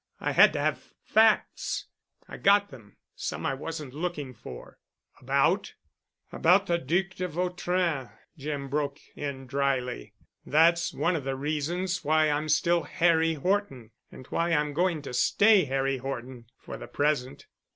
I had to have facts. I got them—some I wasn't looking for——" "About——?" "About the Duc de Vautrin," Jim broke in dryly. "That's one of the reasons why I'm still Harry Horton and why I'm going to stay Harry Horton—for the present."